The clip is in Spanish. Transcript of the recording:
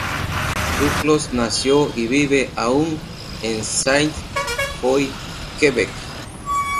Duclos nació y vive aún en Sainte Foy, Quebec.